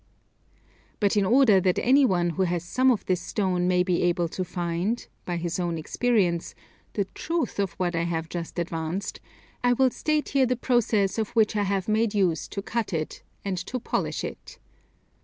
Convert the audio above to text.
But in order that any one who has some of this stone may be able to find, by his own experience, the truth of what I have just advanced, I will state here the process of which I have made use to cut it, and to polish it.